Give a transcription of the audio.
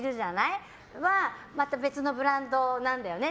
その人はまた別のブランドなんだよね。